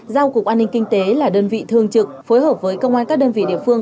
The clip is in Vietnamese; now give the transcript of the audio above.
giao cục an ninh kinh tế là đơn vị thường trực phối hợp với công an các đơn vị địa phương